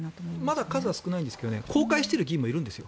まだ数は少ないんですが公開している議員もいるんです。